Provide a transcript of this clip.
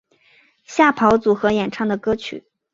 吓跑组合演唱的歌曲。